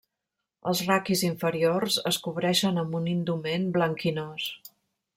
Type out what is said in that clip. Els raquis inferiors es cobreixen amb un indument blanquinós.